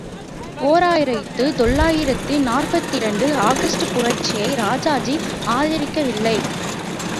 ஓர் ஆயிரத்து தொள்ளாயிரத்து நாற்பத்திரண்டு ஆகஸ்ட் புரட்சியை ராஜாஜி ஆதரிக்கவில்லை.